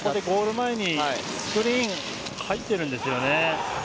ゴール前にスクリーンが入っているんですね。